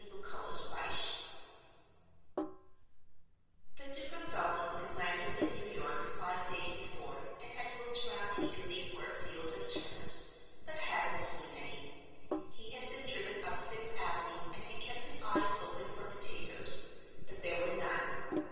The Duke of Dulham had landed in New York five days before and had looked round eagerly for a field of turnips, but hadn't seen any. He had been driven up Fifth Avenue and had kept his eyes open for potatoes, but there were none.